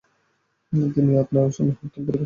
আর তিমি আপনার জন্য মহত্তম পরিকল্পনা করে রেখেছেন।